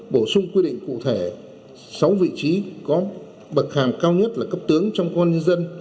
bổ sung quy định cụ thể sáu vị trí có bậc hàm cao nhất là cấp tướng trong công an nhân dân